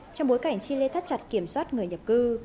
trong bối cảnh chile thắt chặt kiểm soát người nhập cư